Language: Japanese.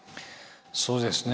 そうですね。